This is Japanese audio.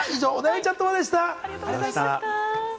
安さん、ありがとうございました。